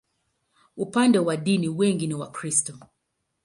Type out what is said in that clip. Upande wa dini, wengi ni Wakristo.